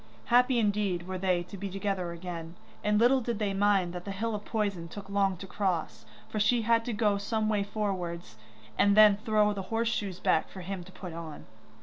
Happy indeed were they to be together again, and little did they mind that the hill of poison took long to cross, for she had to go some way forwards, and then throw the horse shoes back for him to put on.